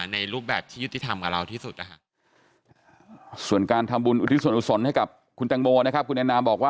ในธิสันอุทิศลสนให้กับคุณทางโมนะครับ